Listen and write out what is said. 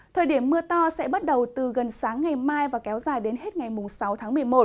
thời điểm mưa to sẽ bắt đầu từ gần sáng ngày mai và kéo dài đến hết ngày sáu tháng một mươi một